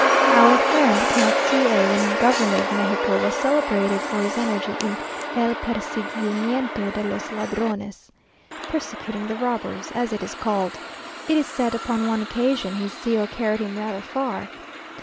Our friend, Count C a, when Governor of Mexico, was celebrated for his energy in "el persiguimiento de los ladrones," (persecuting the robbers,) as it is called. It is said upon one occasion his zeal carried him rather far.